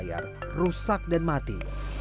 perairan selayar rusak dan mati